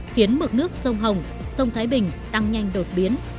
khiến mực nước sông hồng sông thái bình tăng nhanh đột biến